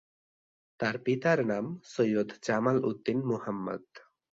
তার পিতার নাম সৈয়দ জামাল উদ্দিন মুহাম্মদ।